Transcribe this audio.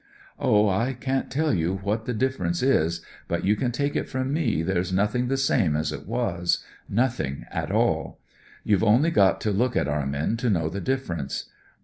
'■Oh, I can't tell you what the difference is, but you can take it from me there's nothing the same as it was, nothing at all. You've only got to look at our men to know the difference.